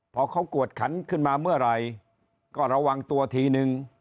พอเขากวดขันขึ้นมาเมื่อไหร่ก็ระวังตัวทีนึง